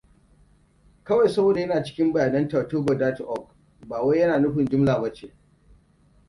Kawai saboda yana cikin bayanan Tatoeba.org, bawai yana nufin jumla ba ce.